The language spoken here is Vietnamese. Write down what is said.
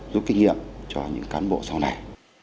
giúp kinh nghiệm cho những cán bộ sau này